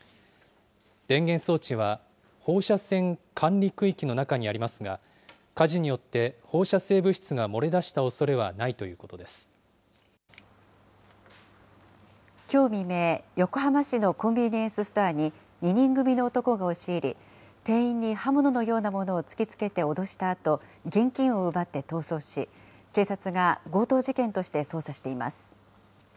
電源装置は放射線管理区域の中にありますが、火事によって放射性物質が漏れ出したおそれはないときょう未明、横浜市のコンビニエンスストアに、２人組の男が押し入り、店員に刃物のようなものを突きつけて脅したあと、現金を奪って逃走し、警察が強盗事件として捜査しています。